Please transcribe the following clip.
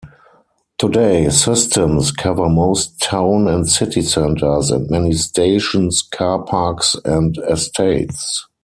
Today, systems cover most town and city centres, and many stations, car-parks and estates.